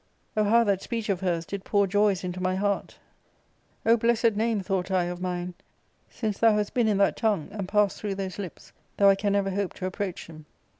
Oh, how that speech of hers did pour joys into my heart ! Oh, blessed name, thought I, of mine, since thou hast been in that tongue, and passed through those lips, though I can never hope to approach them.